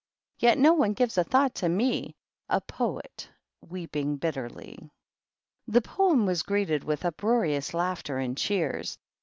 Yet no one gives a thought to me, A Poetj — weeping Bitterly T This Poem was greeted with uproarious laught and cheers.